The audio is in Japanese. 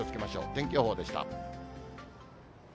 天気予報でした。